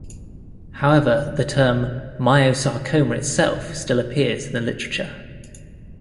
However, the term myosarcoma itself still appears in the literature.